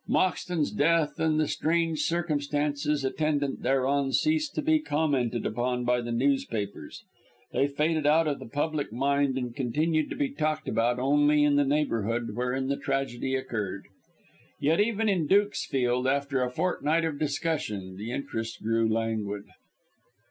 Moxton's death and the strange circumstances attendant thereon ceased to be commented upon by the newspapers; they faded out of the public mind, and continued to be talked about only in the neighbourhood wherein the tragedy occurred. Yet even in Dukesfield, after a fortnight of discussion, the interest grew languid.